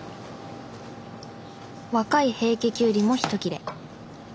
若い平家キュウリもひと切れ。